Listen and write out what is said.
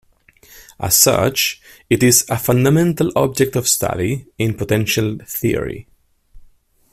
As such, it is a fundamental object of study in potential theory.